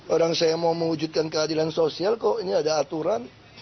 orang saya mau mewujudkan keadilan sosial kok ini ada aturan